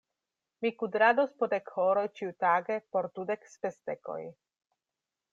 Mi kudrados po dek horoj ĉiutage por dudek spesdekoj.